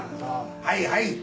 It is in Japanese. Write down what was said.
はいはい。